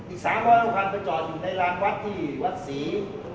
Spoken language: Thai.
อีก๓ร้อยหลอกพันก็จอดอยู่ในร้านวัดที่วัดศรี